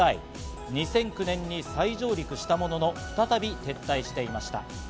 ２００９年に再上陸したものの再び撤退していました。